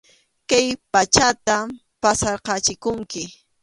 Kay pachata pasarqachikunki.